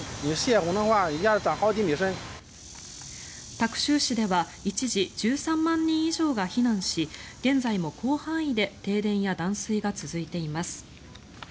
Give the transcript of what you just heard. タクシュウ市では一時、１３万人以上が避難し現在も広範囲で停電や断水が続いています。